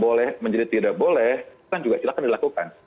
boleh menjadi tidak boleh kan juga silahkan dilakukan